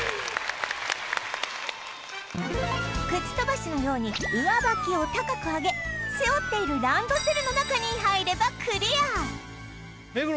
靴飛ばしのように上履きを高く上げ背負っているランドセルの中に入ればクリア！